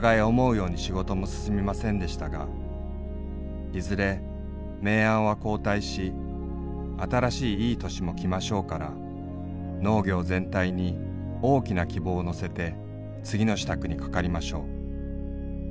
やうに仕事も進みませんでしたがいづれ明暗は交替し新らしいいヽ歳も来ませうから農業全体に巨きな希望を載せて次の支度にかかりませう。